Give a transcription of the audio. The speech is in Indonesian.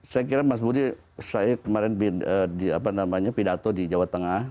saya kira mas budi saya kemarin pidato di jawa tengah